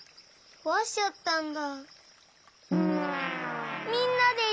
こわしちゃったんだ。